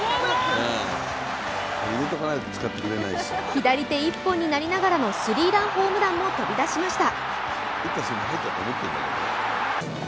左手一本になりながらも、スリーランホームランも飛び出しました。